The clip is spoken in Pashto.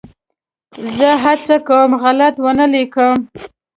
زه هڅه کوم غلط ونه ولیکم.